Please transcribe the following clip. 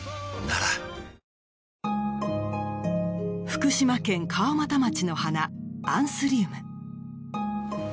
福島県川俣町の花アンスリウム。